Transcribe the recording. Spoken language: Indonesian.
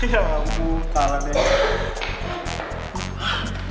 ya ampun kalah deh